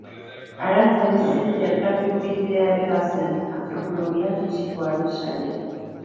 Aranzadi Zientzia Elkarteko kidea ere bazen, Antropologia Fisikoaren sailean.